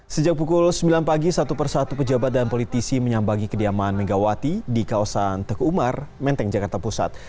sejak pukul sembilan pagi satu persatu pejabat dan politisi menyambangi kediaman megawati di kawasan teku umar menteng jakarta pusat